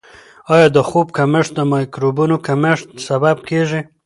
آیا د خوب کمښت د مایکروبونو کمښت سبب کیږي؟